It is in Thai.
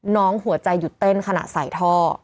หัวใจหยุดเต้นขณะใส่ท่อ